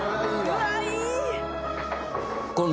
うわっいい！